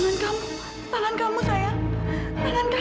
sang tangan kamu sempurna